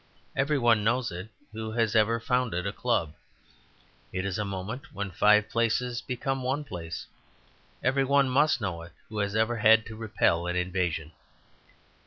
Every one knows it who has ever founded a club. It is a moment when five places become one place. Every one must know it who has ever had to repel an invasion.